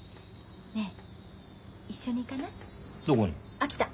秋田。